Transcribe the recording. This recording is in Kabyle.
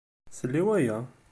Sel i waya!